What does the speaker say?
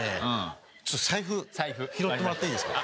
ちょっと財布拾ってもらっていいですか？